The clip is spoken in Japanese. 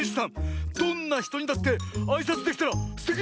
どんなひとにだってあいさつできたらすてきだよ！